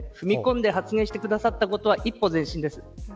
踏み込んだ発言してくださったことは、一歩前進です。